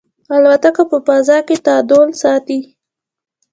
الوتکه په فضا کې تعادل ساتي.